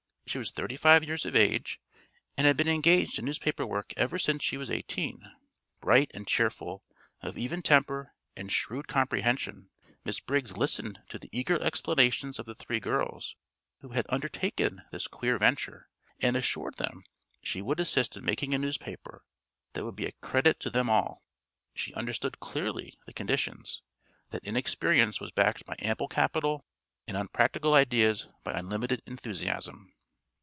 She was thirty five years of age and had been engaged in newspaper work ever since she was eighteen. Bright and cheerful, of even temper and shrewd comprehension, Miss Briggs listened to the eager explanations of the three girls who had undertaken this queer venture, and assured them she would assist in making a newspaper that would be a credit to them all. She understood clearly the conditions; that inexperience was backed by ample capital and unpractical ideas by unlimited enthusiasm.